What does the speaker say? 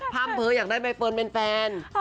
่ำเพ้ออยากได้ใบเฟิร์นเป็นแฟน